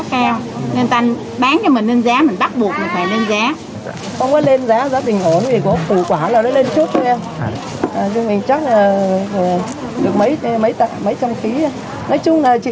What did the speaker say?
không có lên giá giá bình ổn thì có phụ quả là nó lên chút nha